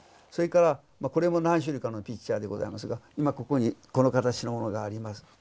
それからこれも何種類かのピッチャーでございますが今ここにこの形のものがあります。